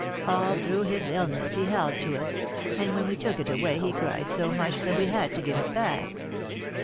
All through his illness he held to it, and when we took it away he cried so much that we had to give it back.